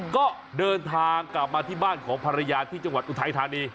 ก็เดินทางกลับมาที่บ้านของภรรยาที่จังหวัดอุทัยธานี